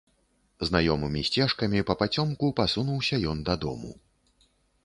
Знаёмымі сцежкамі папацёмку пасунуўся ён дадому.